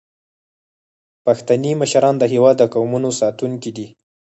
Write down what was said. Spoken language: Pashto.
پښتني مشران د هیواد د قومونو ساتونکي دي.